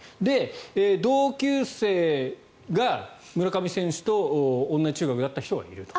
同級生が村上選手と同じ中学だった人がいると。